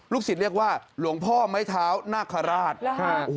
ศิษย์เรียกว่าหลวงพ่อไม้เท้านาคาราช